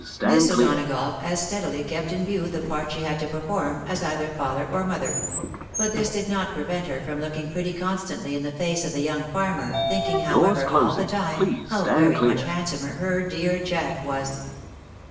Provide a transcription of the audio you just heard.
Miss O'Donagough as steadily kept in view the part she had to perform, as either father or mother ; but this did not prevent her from looking pretty constantly in the face of the young farmer, thinking, however, all the time, how very much handsomer her dear Jack was.